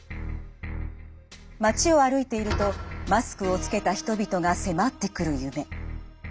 街を歩いているとマスクを着けた人々が迫ってくる夢。